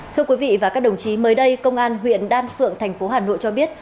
thưa quý vị và các đồng chí mới đây công an huyện đan phượng thành phố hà nội cho biết